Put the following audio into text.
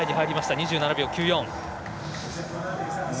２７秒９４。